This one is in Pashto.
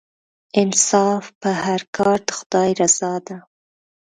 انصاف په هر کار کې د خدای رضا ده.